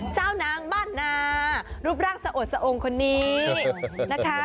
ส้าวนางบาะนารูปรากสะอดสะโองคนนี้นะคะ